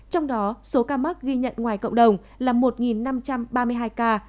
trong đó số ca mắc ghi nhận ngoài cộng đồng là một năm trăm ba mươi hai ca